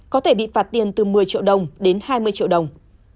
có thể bị phạt tiền từ một mươi triệu đồng đến hai mươi triệu đồng